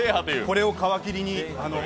これを皮切りに。